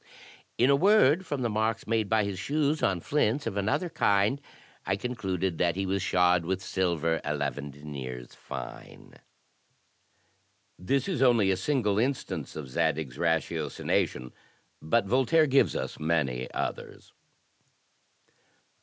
In a word, from the marks made by his shoes on flints of another kind, I concluded that he was shod with silver eleven deniers fine." This is only a single instance of Zadig's ratiocination, but Voltaire gives us many others.